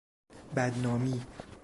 بدنامی